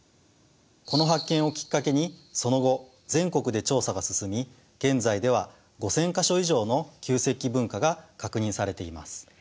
この発見をきっかけにその後全国で調査が進み現在では５，０００か所以上の旧石器文化が確認されています。